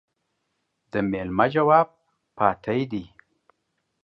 د ميلمه جواب پاتى دى.